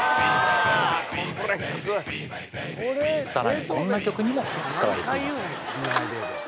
さらにこんな曲にも使われています